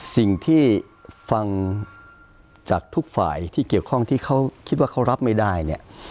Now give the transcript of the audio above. สิ่งที่ฟังจากทุกฝ่ายที่เกี่ยวข้องที่เขาคิดว่าเขารับไม่ได้เนี่ย